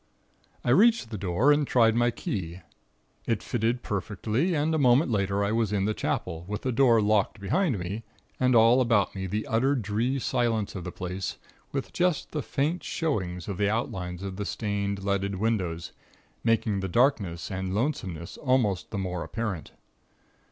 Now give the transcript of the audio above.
"I reached the door and tried my key. It fitted perfectly and a moment later I was in the Chapel, with the door locked behind me, and all about me the utter dree silence of the place, with just the faint showings of the outlines of the stained, leaded windows, making the darkness and lonesomeness almost the more apparent.